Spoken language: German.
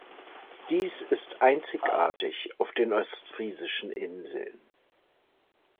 Dies ist einzigartig auf den Ostfriesischen Inseln.